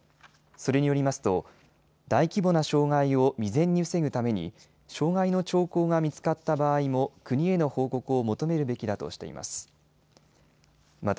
それによりますと大規模な障害を未然に防ぐために障害の兆候が見つかった場合も国への報告を求めるべきだとしています。